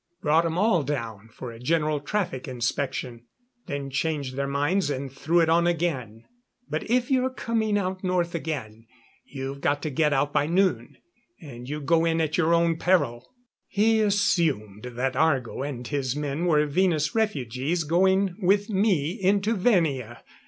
Brought 'em all down for a general traffic inspection. Then changed their minds and threw it on again. But if you're coming out north again, you've got to get out by noon. And you go in at your own peril." He assumed that Argo and his men were Venus refugees going with me into Venia!